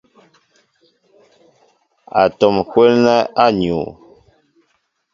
Atɔm kwélnɛ a nuu.